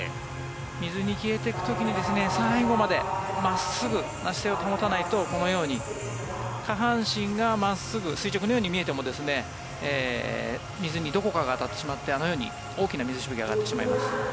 水に消えていく時に最後まで真っすぐな姿勢を保たないとこのように下半身が真っすぐ垂直のように見えても水にどこかが当たってしまってあのように大きな水しぶきが上がってしまいます。